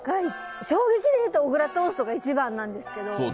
衝撃で言うと小倉トーストが一番なんですけど。